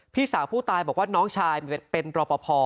พี่สาวผู้ตายบอกว่าน้องชายเป็นรอปภ